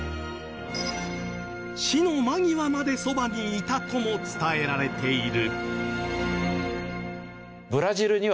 死の間際までそばにいたとも伝えられている。